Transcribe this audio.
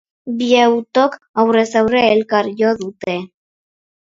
Bi autok aurrez aurre elkar jo dute.